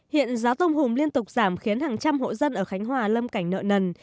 hiện giá tôm hùm liên tục giảm khiến hàng trăm hộ dân ở khánh hòa lâm cảnh nợ nần